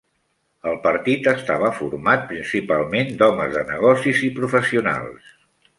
El partit estava format principalment d'homes de negocis i professionals.